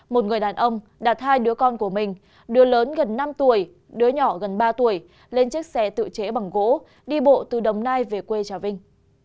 một người đàn ông đã thai đứa con của mình đứa lớn gần năm tuổi đứa nhỏ gần ba tuổi lên chiếc xe tự chế bằng gỗ đi bộ từ đồng nai về quê chào vinh